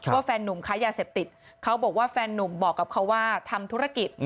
แฟนนุ่มค้ายาเสพติดเขาบอกว่าแฟนนุ่มบอกกับเขาว่าทำธุรกิจ